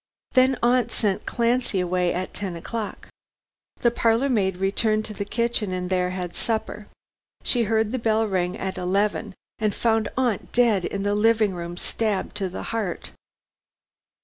Then aunt sent Clancy away at ten o'clock. The parlor maid returned to the kitchen and there had supper. She heard the bell ring at eleven, and found aunt dead in the sitting room, stabbed to the heart."